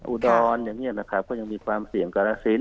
อุดรอย่างนี้นะครับก็ยังมีความเสี่ยงกรสิน